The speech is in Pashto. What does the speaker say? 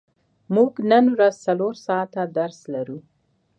موږ نن ورځ څلور ساعته درس لرو.